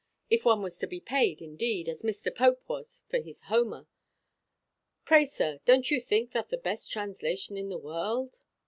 If one was to be paid, indeed, as Mr. Pope was for his Homer Pray, sir, don't you think that the best translation in the world?"